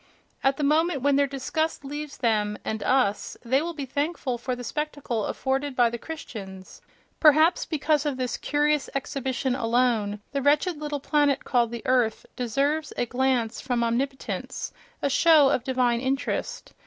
At the moment when their disgust leaves them (—and us!) they will be thankful for the spectacle afforded by the Christians: perhaps because of this curious exhibition alone the wretched little planet called the earth deserves a glance from omnipotence, a show of divine interest....